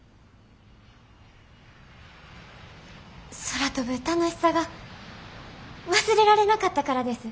空飛ぶ楽しさが忘れられなかったからです。